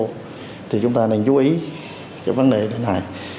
vì vậy thì chúng ta nên chú ý vấn đề này